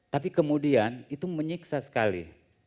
tapi kemudian itu menyiksa sekali